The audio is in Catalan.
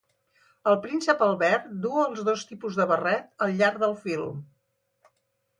El príncep Albert du els dos tipus de barret al llarg del film.